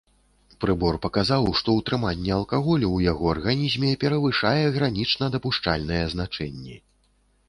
Прыбор паказаў, што ўтрыманне алкаголю ў яго арганізме перавышае гранічна дапушчальныя значэнні.